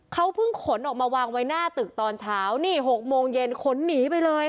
เขาเพิ่งขนออกมาวางไว้หน้าตึกตอนเช้านี่๖โมงเย็นขนหนีไปเลย